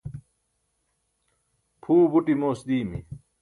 phuwe buṭ imoos diimi